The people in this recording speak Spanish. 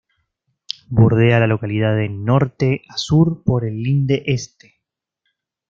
Bordea la localidad de norte a sur por el linde este.